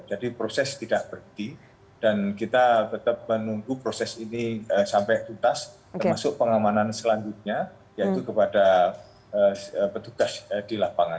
jadi proses tidak berhenti dan kita tetap menunggu proses ini sampai tuntas termasuk pengamanan selanjutnya yaitu kepada petugas di lapangan